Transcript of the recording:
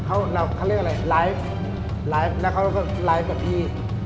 เขาเรียกอะไรไลฟ์ไลฟ์แล้วเขาก็ไลฟ์กับพี่